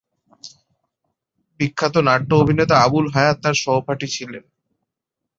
বিখ্যাত নাট্য অভিনেতা আবুল হায়াৎ তার সহপাঠী ছিলেন।